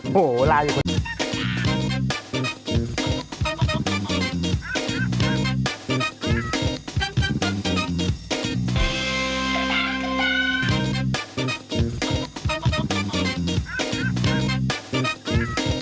โปรดติดตามตอนต่อไป